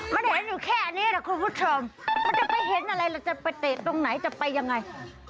มันเห็นอยู่แค่นี้แหละคุณผู้ชมมันจะไปเห็นอะไรเราจะไปเตะตรงไหนจะไปยังไง